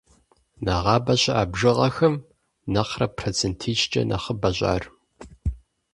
Нэгъабэ щыӏа бжыгъэхэм нэхърэ процентищкӏэ нэхъыбэщ ар.